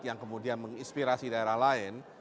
yang kemudian menginspirasi daerah lain